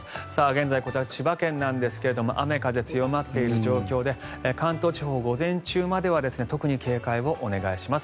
現在、こちら千葉県なんですけど雨風、強まっている状況で関東地方、午前中までは特に警戒をお願いします。